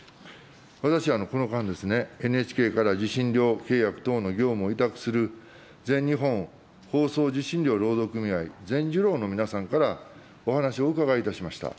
私、この間、ＮＨＫから受信料契約等の業務を委託する全日本放送受信料労働組合、全受労の皆さんから、お話をお伺いいたしました。